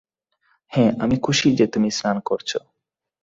হ্যাঁ, আমি খুশি যে তুমি স্নান করছো।